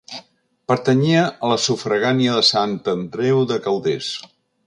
Pertanyia a la sufragània de Sant Andreu de Calders.